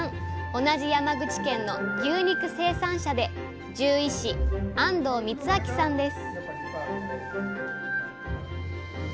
同じ山口県の牛肉生産者で獣医師安堂光明さんです